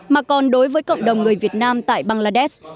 mà còn đối với cộng đồng người việt nam tại bangladesh